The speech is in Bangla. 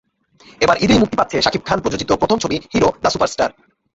এবার ঈদেই মুক্তি পাচ্ছে শাকিব খান প্রযোজিত প্রথম ছবি হিরো, দ্য সুপারস্টার।